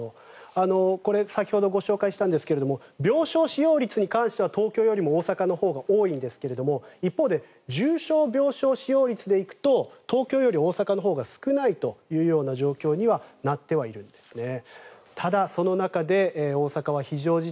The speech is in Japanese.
これ先ほどご紹介したんですが病床使用率に関しては東京よりも大阪のほうが多いんですが一方で重症病床使用率で行くと東京より大阪のほうが少ないという状況にはなっているんですね。